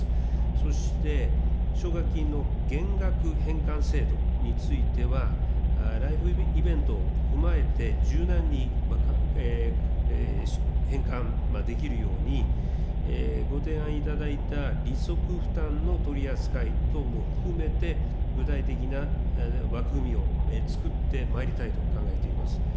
そして、奨学金の減額返還制度については、ライフイベントを踏まえて、柔軟に返還できるように、ご提案いただいた利息負担の取り扱い等も含めて、具体的な枠組みを作ってまいりたいと考えています。